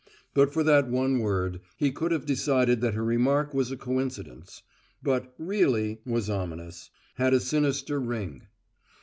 But for that one word, he could have decided that her remark was a coincidence; but "really" was ominous; had a sinister ring.